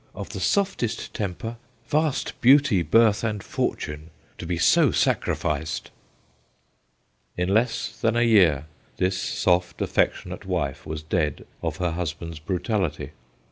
of the softest temper, vast beauty, birth, and fortune ! to be so sacrificed !' In less than a year this soft, affectionate wife was dead of her husband's brutality.